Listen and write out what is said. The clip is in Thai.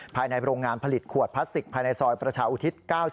ภายในโรงงานผลิตขวดพลาสติกภายในซอยประชาอุทิศ๙๐